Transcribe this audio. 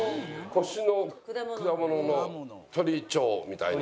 「腰」の「果物」の「丁」みたいな。